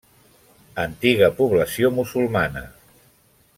Antiga població musulmana.